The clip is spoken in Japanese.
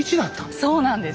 そうなんです。